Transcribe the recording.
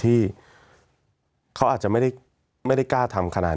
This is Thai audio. มีความรู้สึกว่ามีความรู้สึกว่า